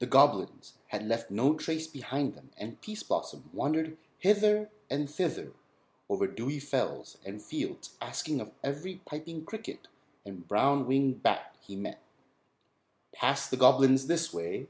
The goblins had left no trace behind them and Pease Blossom wandered hither and thither over dewy fells and fields asking of every piping cricket and brown winged bat he met: "Passed the goblins this way?"